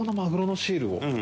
シールが。